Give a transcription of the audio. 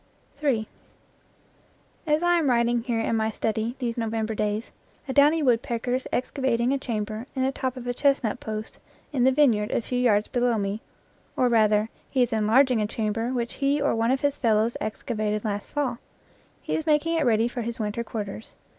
in As I am writing here in my study these November days, a downy woodpecker is excavating a chamber in the top of a chestnut post in the vineyard a few yards below me, or rather, he is enlarging a cham ber which he or one of his fellows excavated last fall; he is making it ready for his winter quarters.